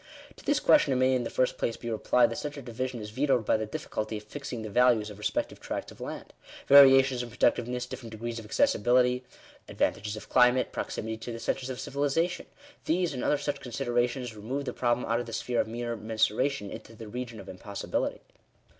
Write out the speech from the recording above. " To this question it may in the first place be replied, that such a division is vetoed by the difficulty of fixing the values of respective tracts of land. Variations in productiveness, dif ferent degrees of accessibility, advantages of climate, proximity Digitized by VjOOQIC 120 THE RIGHT TO THE USE OF THE EARTH. to the centres of civilisation — these, and other such considera tions, remove the problem out of the sphere of mere mensura tion into the region of impossibility.